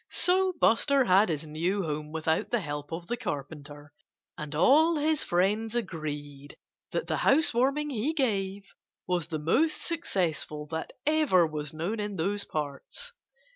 So Buster had his new home without the help of the Carpenter. And all his friends agreed that the house warming he gave was the most successful that ever was known in those parts.